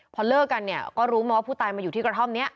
พอเลิกกันเนี่ยก็รู้มาว่าผู้ตายมาอยู่ที่กระท่อมนี้